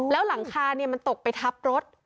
แล้วหลังคามันตกไปทับรถ